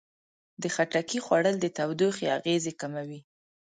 د خټکي خوړل د تودوخې اغېزې کموي.